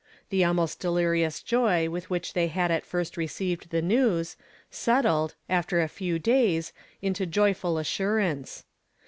The almost delirious joy with which they had at first received the news, settled, after a few days into joyful as surance.